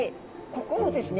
ここのですね